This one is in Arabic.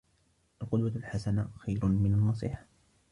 القدوة الحسنة خير من النصيحة